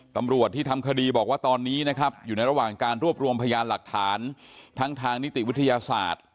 ตำรวจที่ทำคดีบอกว่าตอนนี้นะครับอยู่ในระหว่างการรวบรวมพยานหลักฐานทั้งทางนิติวิทยาศาสตร์